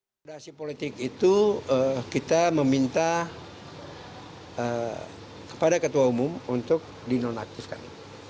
fondasi politik itu kita meminta kepada ketua umum untuk dinonaktifkan